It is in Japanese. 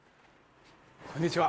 ・こんにちは・